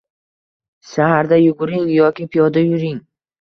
Saharda yuguring yoki piyoda yuring.